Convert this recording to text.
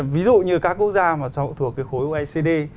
ví dụ như các quốc gia mà thuộc cái khối oecd